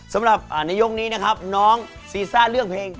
สำหรับในยกนี้นะครับน้องซีซ่าเลือกเพลง